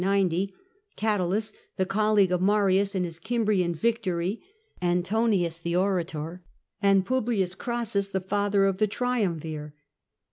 90 ; Catulus, the colleague of Marius in his Cimbrian victory ; Antonins, the orator; and P. Crassus, the father of the Triumvir.